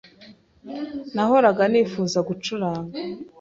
Nahoraga nifuza gucuranga.